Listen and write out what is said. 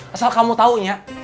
asal kamu taunya